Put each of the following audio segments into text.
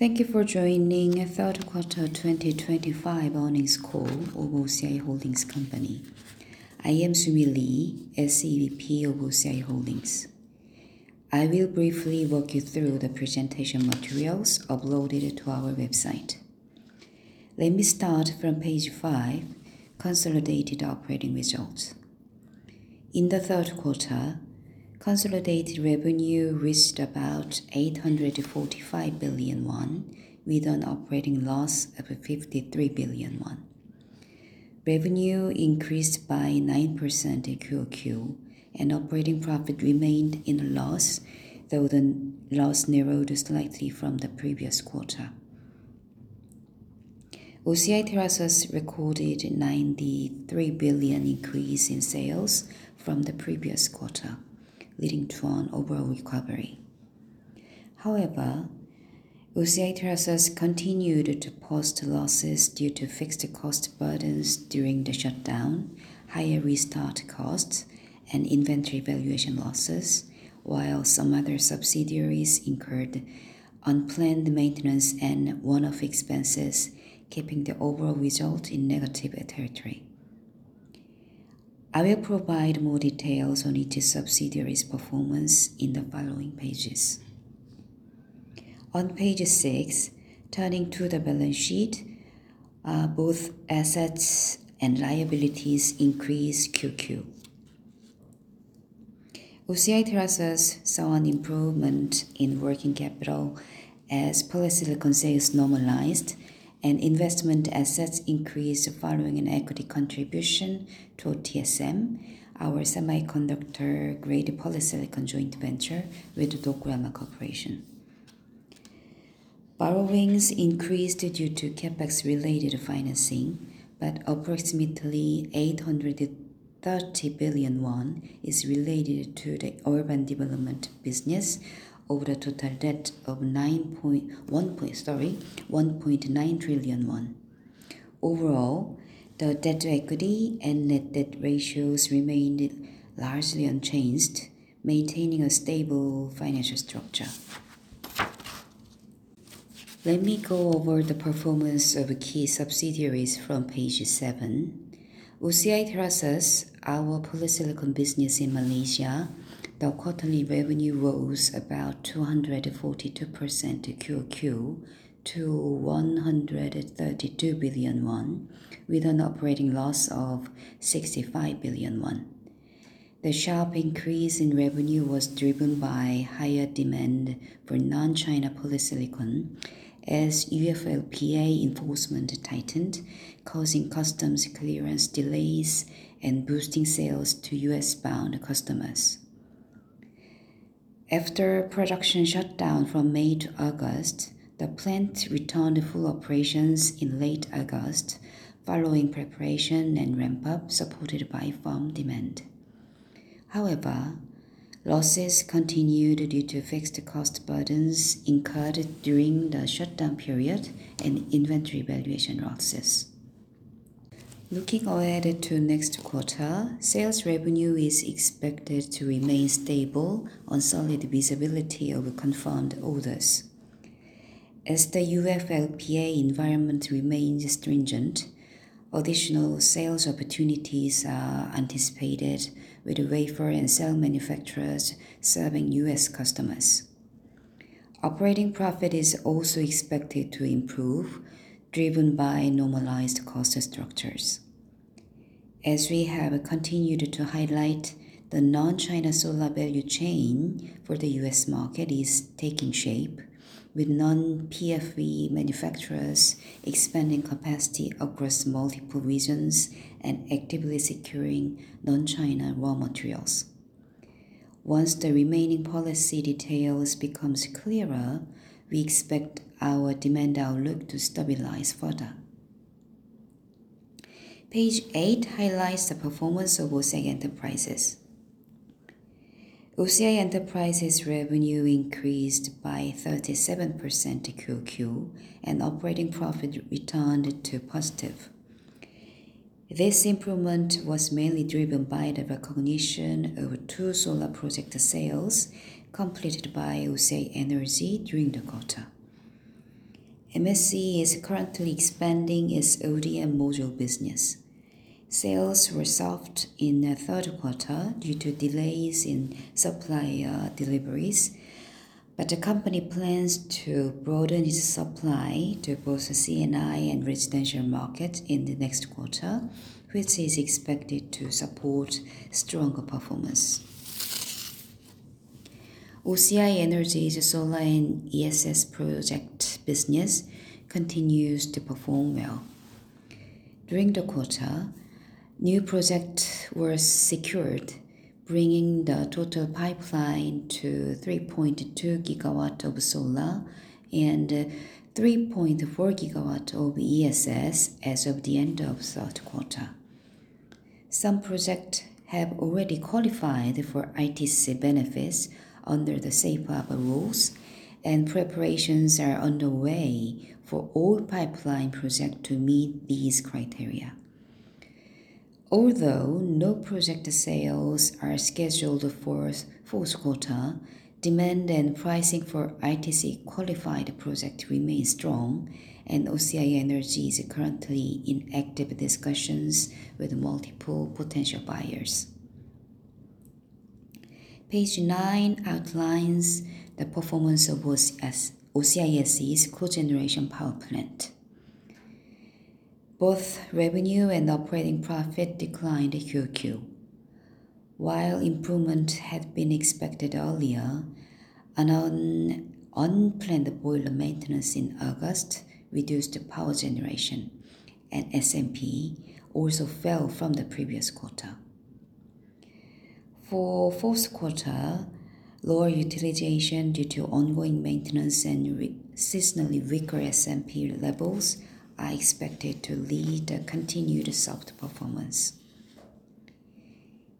Thank you for joining third quarter 2025 earnings call of OCI Holdings Company. I am Su Mi Lee, SEVP of OCI Holdings. I will briefly walk you through the presentation materials uploaded to our website. Let me start from page 5, consolidated operating results. In the third quarter, consolidated revenue reached about 845 billion won with an operating loss of 53 billion won. Revenue increased by 9% in QOQ, and operating profit remained in a loss, though the loss narrowed slightly from the previous quarter. OCI TerraSus recorded 93 billion increase in sales from the previous quarter, leading to an overall recovery. However, OCI TerraSus continued to post losses due to fixed cost burdens during the shutdown, higher restart costs, and inventory valuation losses, while some other subsidiaries incurred unplanned maintenance and one-off expenses, keeping the overall result in negative territory. I will provide more details on each subsidiary's performance in the following pages. On page 6, turning to the balance sheet, both assets and liabilities increased QOQ. OCI TerraSus saw an improvement in working capital as polysilicon sales normalized and investment assets increased following an equity contribution to OTSM, our semiconductor-grade polysilicon joint venture with Tokuyama Corporation. Borrowings increased due to CapEx related financing, but approximately 830 billion won is related to the urban development business over a total debt of 1.9 trillion won. Overall, the debt to equity and net debt ratios remained largely unchanged, maintaining a stable financial structure. Let me go over the performance of key subsidiaries from page 7. OCI TerraSus, our polysilicon business in Malaysia, the quarterly revenue rose about 242% QOQ to 132 billion won with an operating loss of 65 billion won. The sharp increase in revenue was driven by higher demand for non-China polysilicon as UFLPA enforcement tightened, causing customs clearance delays and boosting sales to U.S. bound customers. After production shut down from May to August, the plant returned full operations in late August following preparation and ramp up supported by firm demand. Losses continued due to fixed cost burdens incurred during the shutdown period and inventory valuation losses. Looking ahead to next quarter, sales revenue is expected to remain stable on solid visibility over confirmed orders. The UFLPA environment remains stringent, additional sales opportunities are anticipated with wafer and cell manufacturers serving U.S. customers. Operating profit is also expected to improve, driven by normalized cost structures. As we have continued to highlight, the non-China solar value chain for the U.S. market is taking shape with non-PV manufacturers expanding capacity across multiple regions and actively securing non-China raw materials. Once the remaining policy details becomes clearer, we expect our demand outlook to stabilize further. Page eight highlights the performance of OCI Enterprises. OCI Enterprises revenue increased by 37% to QOQ, and operating profit returned to positive. This improvement was mainly driven by the recognition of two solar project sales completed by OCI Energy during the quarter. Mission Solar Energy is currently expanding its ODM module business. Sales were soft in the third quarter due to delays in supplier deliveries, but the company plans to broaden its supply to both the C&I and residential market in the next quarter, which is expected to support stronger performance. OCI Energy's solar and ESS project business continues to perform well. During the quarter, new projects were secured, bringing the total pipeline to 3.2 gigawatt of solar and 3.4 gigawatt of ESS as of the end of third quarter. Some projects have already qualified for ITC benefits under the safe harbor rules, and preparations are underway for all pipeline projects to meet these criteria. Although no project sales are scheduled for fourth quarter, demand and pricing for ITC qualified project remains strong, and OCI Energy is currently in active discussions with multiple potential buyers. Page 9 outlines the performance of OCI SE's cogeneration power plant. Both revenue and operating profit declined QOQ. While improvement had been expected earlier, an unplanned boiler maintenance in August reduced power generation, and SMP also fell from the previous quarter. For fourth quarter, lower utilization due to ongoing maintenance and seasonally weaker SMP levels are expected to lead a continued soft performance.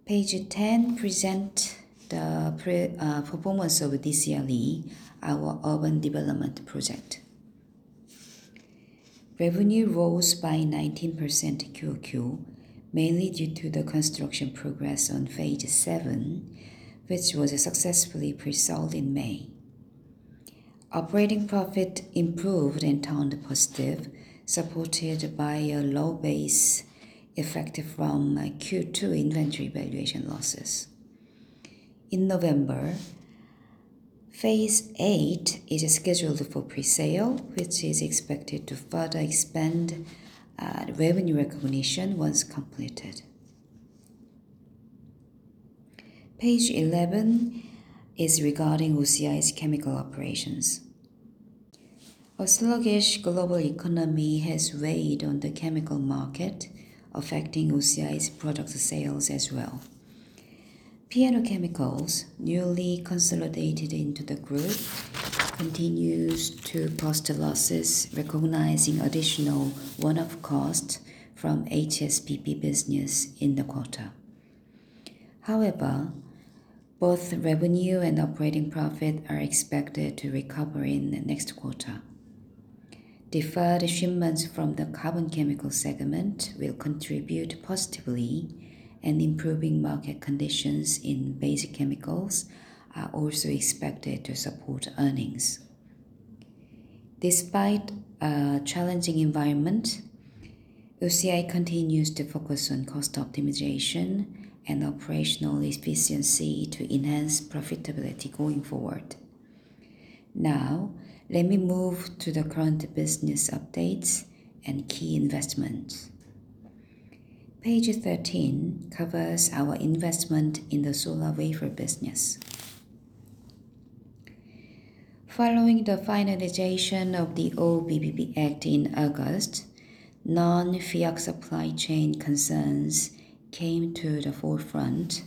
Page 10 present the performance of DCRE, our urban development project. Revenue rose by 19% QOQ, mainly due to the construction progress on phase seven, which was successfully presold in May. Operating profit improved and turned positive, supported by a low base effect from Q2 inventory valuation losses. In November, phase eight is scheduled for presale, which is expected to further expand revenue recognition once completed. Page 11 is regarding OCI's chemical operations. A sluggish global economy has weighed on the chemical market, affecting OCI's product sales as well. P&O Chemical, newly consolidated into the group, continues to post a losses, recognizing additional one-off costs from HSPP business in the quarter. Both revenue and operating profit are expected to recover in the next quarter. Deferred shipments from the carbon chemical segment will contribute positively, and improving market conditions in basic chemicals are also expected to support earnings. Despite a challenging environment, OCI continues to focus on cost optimization and operational efficiency to enhance profitability going forward. Let me move to the current business updates and key investments. Page 13 covers our investment in the solar wafer business. Following the finalization of the old BBB Act in August, non-FEOC supply chain concerns came to the forefront,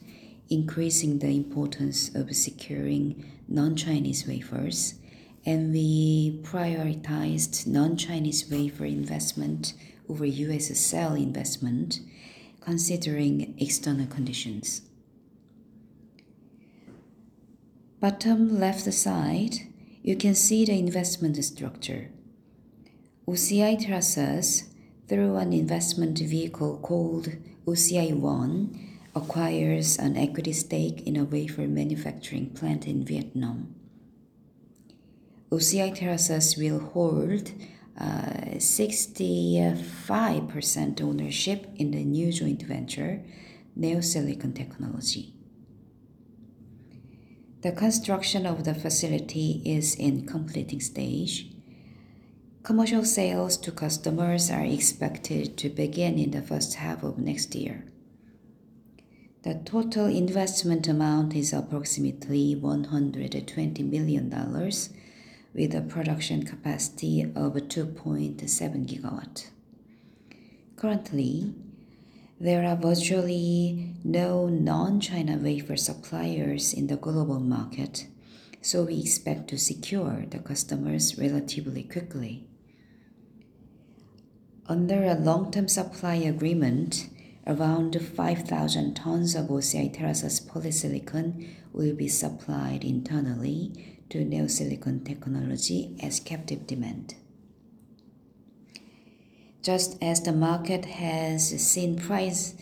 increasing the importance of securing non-Chinese wafers, and we prioritized non-Chinese wafer investment over U.S. cell investment, considering external conditions. Bottom left side, you can see the investment structure. OCI TerraSus, through an investment vehicle called OCI One, acquires an equity stake in a wafer manufacturing plant in Vietnam. OCI TerraSus will hold 65% ownership in the new joint venture, Neo Silicon Technology. The construction of the facility is in completing stage. Commercial sales to customers are expected to begin in the first half of next year. The total investment amount is approximately $120 million with a production capacity of 2.7 gigawatt. Currently, there are virtually no non-China wafer suppliers in the global market, so we expect to secure the customers relatively quickly. Under a long-term supply agreement, around 5,000 tons of OCI TerraSus Polysilicon will be supplied internally to Neo Silicon Technology as captive demand. Just as the market has seen price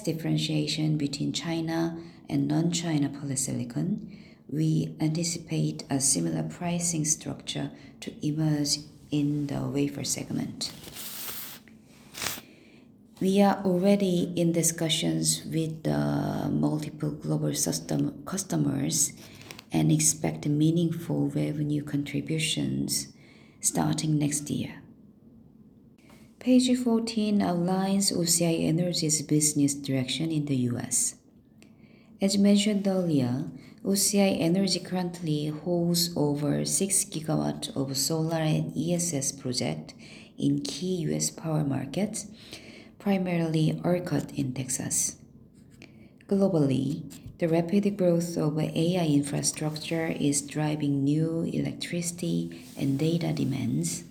differentiation between China and non-China Polysilicon, we anticipate a similar pricing structure to emerge in the wafer segment. We are already in discussions with the multiple global system customers and expect meaningful revenue contributions starting next year. Page 14 outlines OCI Energy's business direction in the U.S. As mentioned earlier, OCI Energy currently holds over 6 gigawatts of solar and ESS project in key U.S. power markets, primarily ERCOT in Texas. Globally, the rapid growth of AI infrastructure is driving new electricity and data demands.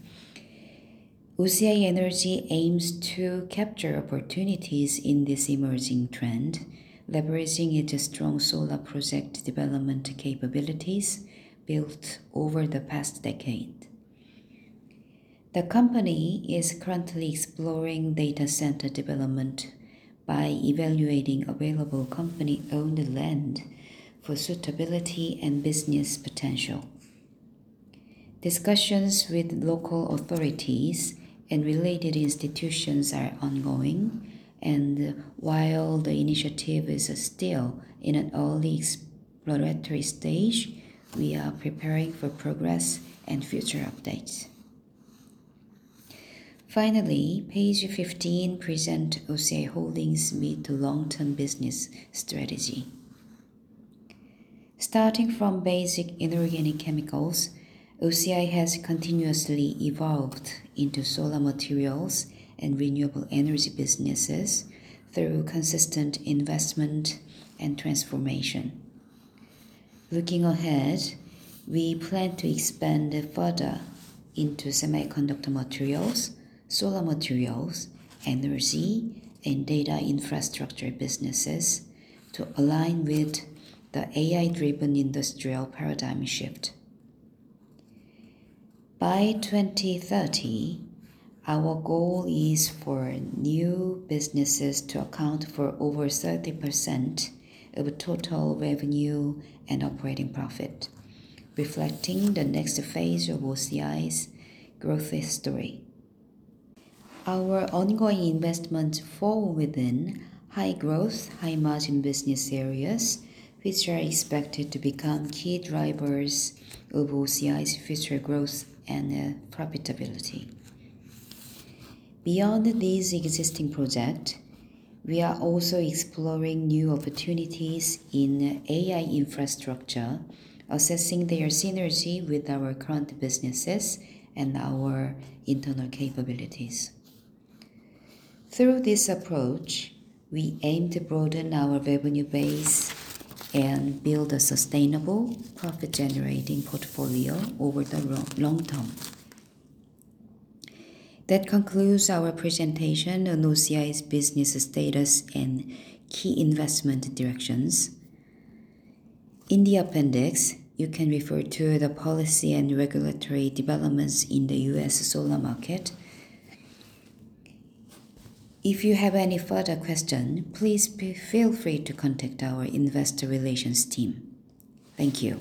OCI Energy aims to capture opportunities in this emerging trend, leveraging its strong solar project development capabilities built over the past decade. The company is currently exploring data center development by evaluating available company-owned land for suitability and business potential. Discussions with local authorities and related institutions are ongoing, and while the initiative is still in an early exploratory stage, we are preparing for progress and future updates. Finally, page 15 present OCI Holdings' mid- to long-term business strategy. Starting from basic inorganic chemicals, OCI has continuously evolved into solar materials and renewable energy businesses through consistent investment and transformation. Looking ahead, we plan to expand further into semiconductor materials, solar materials, energy, and data infrastructure businesses to align with the AI-driven industrial paradigm shift. By 2030, our goal is for new businesses to account for over 30% of total revenue and operating profit, reflecting the next phase of OCI's growth history. Our ongoing investments fall within high-growth, high-margin business areas, which are expected to become key drivers of OCI's future growth and profitability. Beyond these existing projects, we are also exploring new opportunities in AI infrastructure, assessing their synergy with our current businesses and our internal capabilities. Through this approach, we aim to broaden our revenue base and build a sustainable, profit-generating portfolio over the long term. That concludes our presentation on OCI's business status and key investment directions. In the appendix, you can refer to the policy and regulatory developments in the U.S. solar market. If you have any further question, please feel free to contact our investor relations team. Thank you.